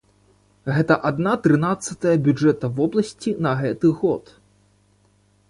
Гэта адна трынаццатая бюджэта вобласці на гэты год.